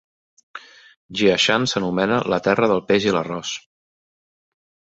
Jiashan s'anomena "La terra del peix i l'arròs".